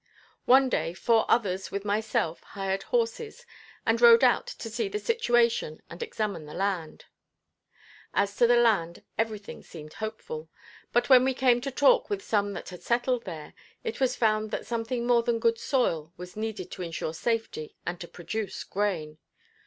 One day four others with myself hired horses, and rode out to see the situation and examine the land. As to the land everything seemed hopeful, but when we came to talk with some that had settled there, it was found that something more than good soil was needful to ensure safety and to produce grain.